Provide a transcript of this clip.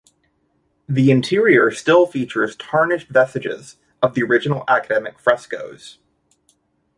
The interior still features tarnished vestiges of the original academic frescoes.